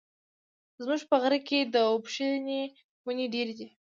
زموږ په غره کي د اوبښتي وني ډېري دي.